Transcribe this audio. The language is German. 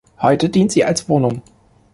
Heute dient sie als Wohnung.